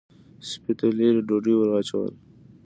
سپۍ ته یې لېرې ډوډۍ ور واچوله.